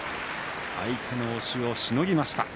相手の押しをしのぎました。